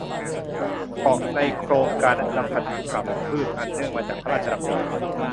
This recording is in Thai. เกาะในโครงการอนุรักษ์พันธุกรรมพืชอันเนื่องมาจากพระราชดำริ